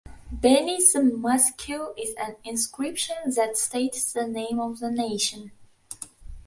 Beneath the mosque is an inscription that states the name of the nation.